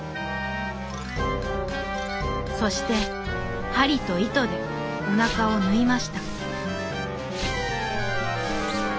そしてはりといとでおなかをぬいました。